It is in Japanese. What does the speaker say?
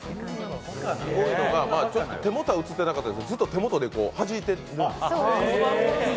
すごいのは、手元は映ってなかったですけど手元ではじいてる。